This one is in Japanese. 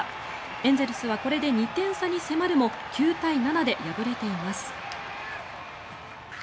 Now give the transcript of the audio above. エンゼルスはこれで２点差に迫るも９対７で敗れています。